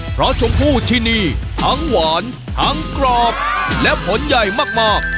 เพราะชมพู่ที่นี่ทั้งหวานทั้งกรอบและผลใหญ่มาก